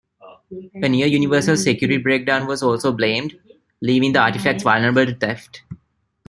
A "near-universal" security breakdown was also blamed, leaving the artifacts vulnerable to theft.